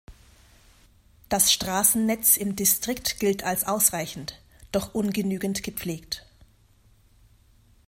Das Straßennetz im Distrikt gilt als ausreichend, doch ungenügend gepflegt.